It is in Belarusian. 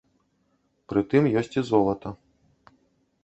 Пры тым ёсць і золата.